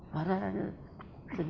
padahal hanya terjun saja